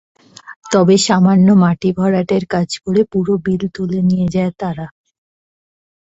তবে সামান্য মাটি ভরাটের কাজ করে পুরো বিল তুলে নিয়ে যায় তারা।